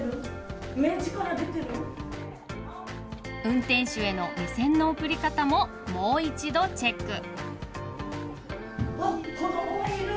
運転手への目線の送り方ももう一度チェック！